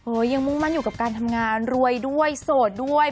ยังมุ่งมั่นอยู่กับการทำงานรวยด้วยโสดด้วย